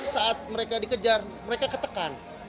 saat mereka dikejar mereka ketekan